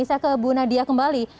saya ke bu nadia kembali